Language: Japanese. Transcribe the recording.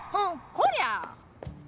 こりゃ！